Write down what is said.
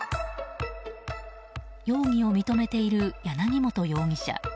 容疑を認めている柳本容疑者。